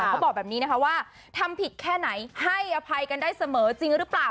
เขาบอกแบบนี้นะคะว่าทำผิดแค่ไหนให้อภัยกันได้เสมอจริงหรือเปล่า